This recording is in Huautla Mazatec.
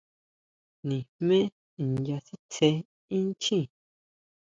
Nijmé nya sitsé inchjín.